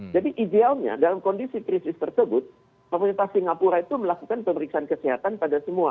jadi idealnya dalam kondisi krisis tersebut komunitas singapura itu melakukan pemeriksaan kesehatan pada semua